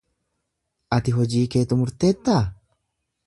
Ati hojii kee xumurteettaa?